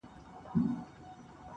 ستا په ډېرو ښایستو کي لویه خدایه,